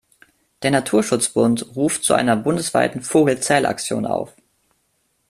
Der Naturschutzbund ruft zu einer bundesweiten Vogelzählaktion auf.